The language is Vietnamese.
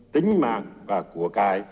tính mạng và của cải